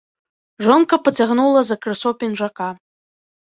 Жонка пацягнула за крысо пінжака.